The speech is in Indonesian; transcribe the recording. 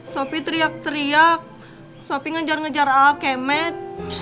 sopi teriak teriak sopi ngejar ngejar alkemet